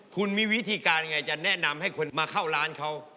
คุณมีวิธีการยังไงจะแนะนำให้คนมาเข้าร้านเขา